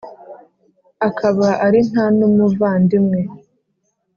akaba ari nta n'umuvandimwe